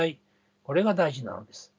これが大事なのです。